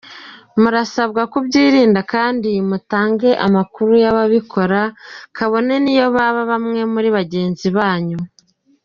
Murasabwa kubyirinda, kandi mutange amakuru y’ababikora kabone niyo baba bamwe muri bagenzi banyu."